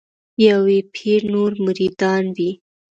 یو یې پیر نور مریدان وي